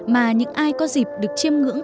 mà những ai có dịp được chiêm ngưỡng